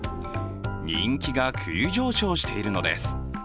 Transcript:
人気が急上昇しているのです。